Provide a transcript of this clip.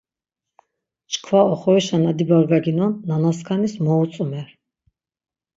Çkva oxorişa na dibargaginon nanaskanis mo utzumer.